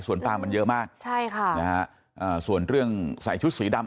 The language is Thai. ส่วนปางมันเยอะมากใช่ค่ะนะฮะอ่าส่วนเรื่องใส่ชุดสีดำ